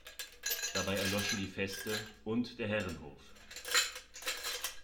Dabei erloschen die Feste und der Herrenhof.